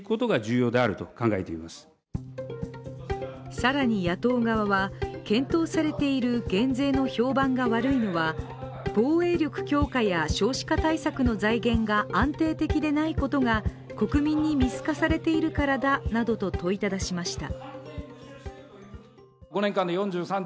更に野党側は、検討されている減税の評判が悪いのは防衛力強化や、少子化対策の財源が安定的でないことが国民に見透かされているからだなどと問いただしました。